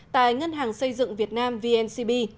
tại ngân hàng xây dựng việt nam vncb